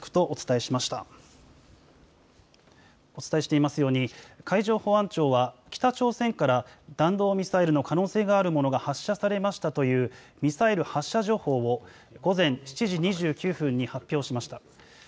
お伝えしていますように海上保安庁は北朝鮮から弾道ミサイルの可能性があるものが発射されましたというミサイル発射情報を午前７時２９分に発表しました。